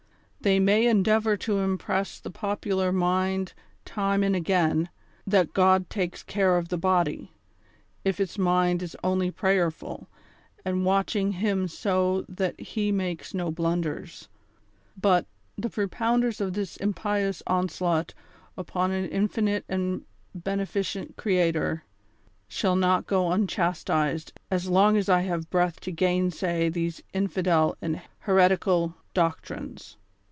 They may endeavor to impress the popular mind, time and again, that God takes care of the body, if its mind is only prayerful, and watching Him so that He makes no blunders ; but, the propounders of this impious onslaught upon an infinite and beneficent Creator shall not go unchastized as long as I have breath to gainsay these infidel and heretical doctrines.